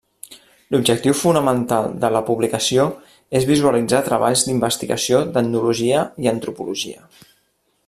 L’objectiu fonamental de la publicació és visualitzar treballs d’investigació d’etnologia i antropologia.